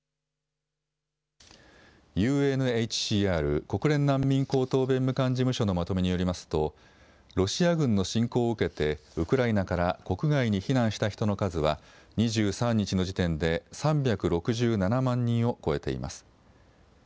ＵＮＨＣＲ・国連難民高等弁務官事務所のまとめによりますとロシア軍の侵攻を受けてウクライナから国外に避難した人の数は２３日の時点で３６７万人を超えています。